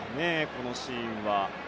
このシーンは。